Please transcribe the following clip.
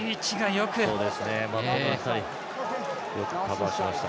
よくカバーしました。